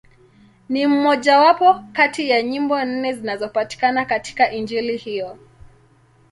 Ni mmojawapo kati ya nyimbo nne zinazopatikana katika Injili hiyo.